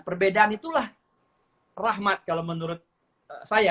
perbedaan itulah rahmat kalau menurut saya